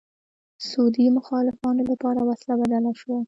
سعودي مخالفانو لپاره وسله بدله شوه